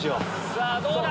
さぁどうだ？